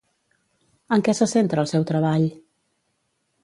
En què se centra el seu treball?